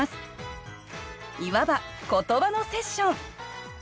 いわば言葉のセッション。